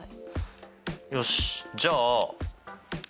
よしじゃあ。